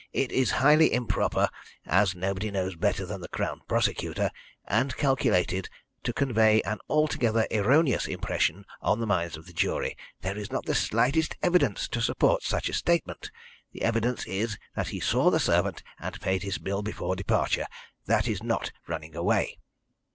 "It is highly improper, as nobody knows better than the Crown Prosecutor, and calculated to convey an altogether erroneous impression on the minds of the jury. There is not the slightest evidence to support such a statement. The evidence is that he saw the servant and paid his bill before departure. That is not running away."